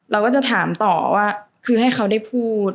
เราก็จะถามต่อว่าคือให้เขาได้พูด